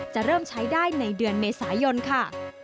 จะเริ่มใช้ได้ในเดือนเมษายนค่ะ